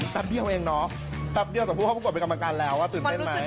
แป๊บเดียวเองเนาะแป๊บเดียวจะพูดว่าเป็นกำลังการแล้วตื่นเต้นไหม